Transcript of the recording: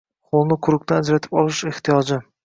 Ho‘lni quruqdan ajratib olish ehtiyoji